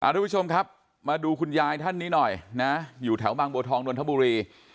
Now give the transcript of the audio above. ทุกผู้ชมครับมาดูคุณยายท่านนี้หน่อยนะอยู่แถวบางบัวทองนนทบุรี